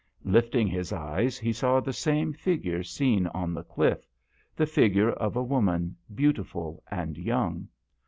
Lifting his eyes he saw the same figure seen on the cliff the figure of a woman, beauti ful and young.